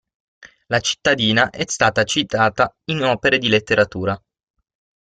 La cittadina è stata citata in opere di letteratura.